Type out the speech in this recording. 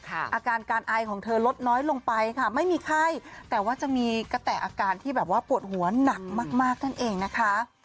อาการการอายของเธอลดน้อยลงไปค่ะไม่มีไข้แต่ว่าจะมีกระแต่อาการที่แบบว่าปวดหัวหนักมากนั่นเองนะคะ